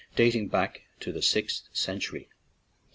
dating back to the sixth century.